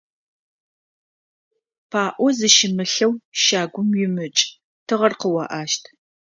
ПаӀо зыщымылъэу щагум уимыкӀ, тыгъэр къыоӀащт.